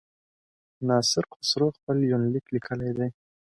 ناصر خسرو خپل يونليک ليکلی دی.